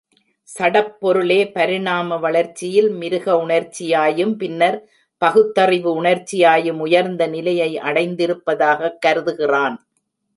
சடப் பொருளே பரிணாம வளர்ச்சியில் மிருக உணர்ச்சியாயும், பின்னர் பகுத்தறிவு உணர்ச்சியாயும் உயர்ந்த நிலையை அடைந்திருப்பதாகச் கருதுகிறான்.